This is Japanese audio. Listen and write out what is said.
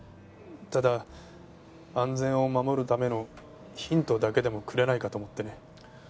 ただ安全を護るためのヒントだけでもくれないかと思ってね。